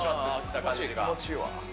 気持ちいいわ。